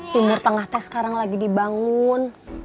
timur tengah teh sekarang lagi dibangun